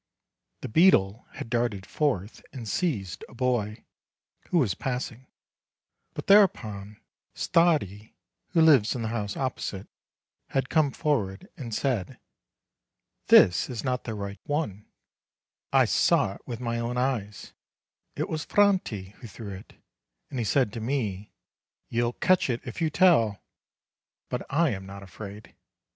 The beadle had darted forth and seized a boy, who was passing; but thereupon, Stardi, who lives in the house opposite, had come forward, and said : 'This is not the right one; I saw it with my own eyes; it was Franti who threw it; and he said to me, 'You'll catch it if you tell!' but I am not afraid."